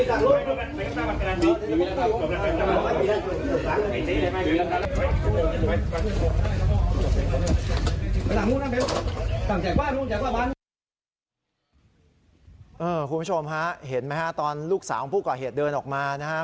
คุณผู้ชมฮะเห็นไหมฮะตอนลูกสาวของผู้ก่อเหตุเดินออกมานะครับ